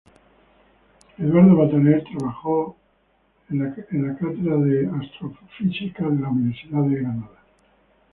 Charles Edward Griswold trabajó en la California Academy of Sciences.